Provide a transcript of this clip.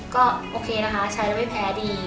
ก็โอเคนะคะใช้แล้วไม่แพ้ดี